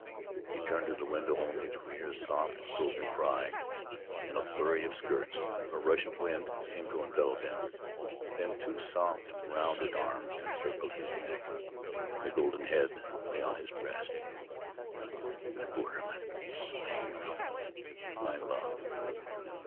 He turned to the window only to hear a soft, broken cry, and a flurry of skirts. A rush of wind seemed to envelop him. Then two soft, rounded arms encircled his neck, and a golden head lay on his breast. "My borderman! My hero! My love!"